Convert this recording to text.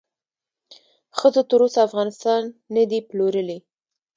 ښځو تر اوسه افغانستان ندې پلورلی